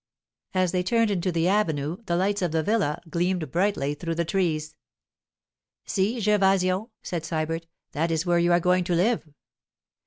As they turned into the avenue the lights of the villa gleamed brightly through the trees. 'See, Gervasio,' said Sybert. 'That is where you are going to live.